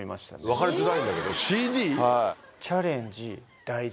分かりづらいんだけどＣＤ？